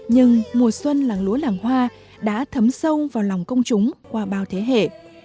nhưng mùa xuân làng lúa làng hoa đã thấm sâu vào lòng công chúng qua bao thế hệ